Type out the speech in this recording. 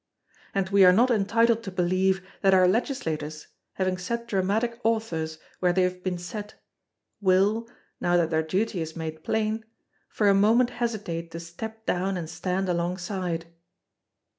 And we are not entitled to believe that our Legislators, having set Dramatic Authors where they have been set, will—now that their duty is made plain—for a moment hesitate to step down and stand alongside.